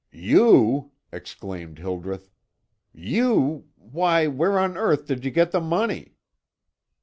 "You!" exclaimed Hildreth. "You! Why, where on earth did you get the money?"